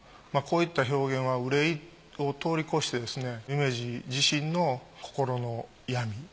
こういった表現は憂いを通り越してですね夢二自身の心の闇。